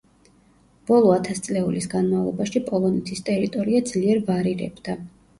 ბოლო ათასწლეულის განმავლობაში პოლონეთის ტერიტორია ძლიერ ვარირებდა.